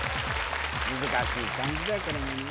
難しい漢字だよこれもね